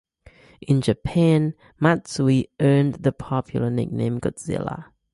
In Japan, Matsui earned the popular nickname Godzilla.